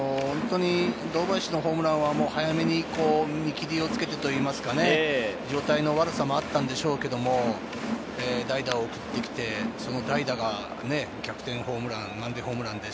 堂林のホームランは早めに見切りをつけてといいますか、状態の悪さもあったんでしょうけれど、代打を送って、その代打が逆転ホームランですし。